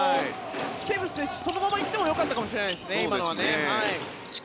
テーブス選手そのまま行っても今のはよかったかもしれないですね。